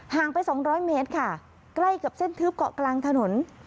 ไปสองร้อยเมตรค่ะใกล้กับเส้นทึบเกาะกลางถนน